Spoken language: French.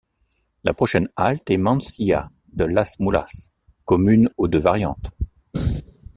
La prochaine halte est Mansilla de las Mulas, commune aux deux variantes.